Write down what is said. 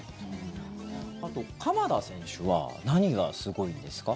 あと、鎌田選手は何がすごいんですか？